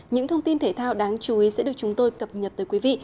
những thông tin thể thao đáng chú ý sẽ được chúng tôi cập nhật tới quý vị